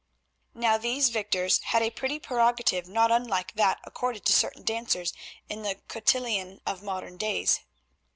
Now these victors had a pretty prerogative not unlike that accorded to certain dancers in the cotillion of modern days.